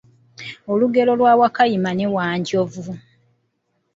Olugero lwa Wakayima ne Wanjovu.